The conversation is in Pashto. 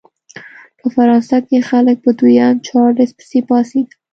په فرانسه کې خلک په دویم چارلېز پسې پاڅېدل.